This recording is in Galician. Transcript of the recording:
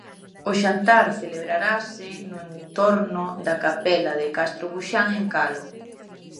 O xantar celebrarase no entorno da capela de Castro buxán, en Calo.